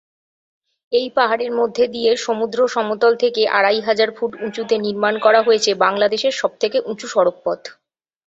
এই পাহাড়ের মধ্যে দিয়ে সমুদ্র সমতল থেকে আড়াই হাজার ফুট উঁচুতে নির্মাণ করা হয়েছে বাংলাদেশের সবচেয়ে উঁচু সড়কপথ।